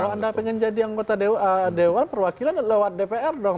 kalau anda pengen jadi anggota dewan perwakilan lewat dpr dong